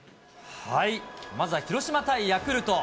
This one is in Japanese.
まずは広島対ヤクルト。